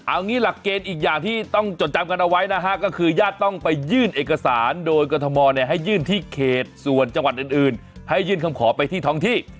เอางี้หลักเกณฑ์อีกอย่างที่ต้องจดจำกันเอาไว้นะฮะก็คือญาติต้องไปยื่นเอกสารโดยกรทมให้ยื่นที่เขตส่วนจังหวัดอื่นให้ยื่นคำขอไปที่ท้องที่